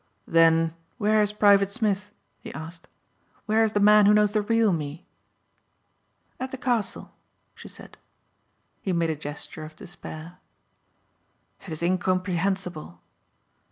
"Then where is Private Smith?" he asked. "Where is the man who knows the real me?" "At the castle," she said. He made a gesture of despair. "It is incomprehensible."